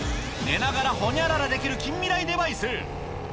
寝ながらほにゃららできる近未来デバイス。